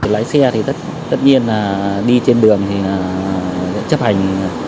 lái xe thì tất nhiên là đi trên đường thì chấp hành